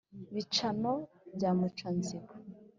bicano bya muca-nzigo,